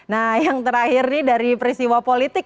nah yang terakhir nih dari peristiwa politik